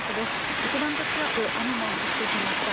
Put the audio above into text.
一段と強く雨が降ってきました。